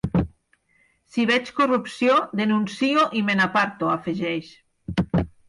Si veig corrupció, denuncio i me n’aparto, afegeix.